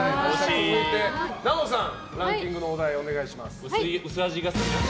続いて奈緒さん、ランキングのお題をお願いします。